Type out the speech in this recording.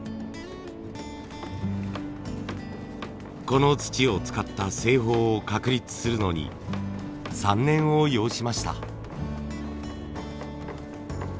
この土を使った製法を確立するのに３年を要しました。